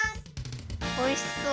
おいしそう。